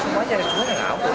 di versi jaksa ya sudah semua